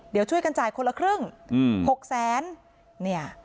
เดี๋ยวช่วยกันจ่ายคนละครึ่ง๖แสนเนี่ย